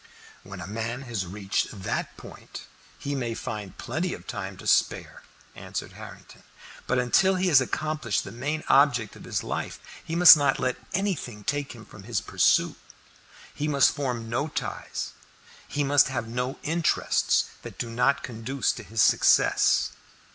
"When a man has reached that point he may find plenty of time to spare," answered Harrington. "But until he has accomplished the main object of his life he must not let anything take him from his pursuit. He must form no ties, he must have no interests, that do not conduce to his success.